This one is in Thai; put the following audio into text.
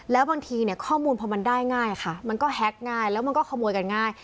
แล้วบางทีเนี่ยข้อมูลพอมันได้ง่ายค่ะมันก็แฮ็กง่ายแล้วมันก็ขโมยกันง่าย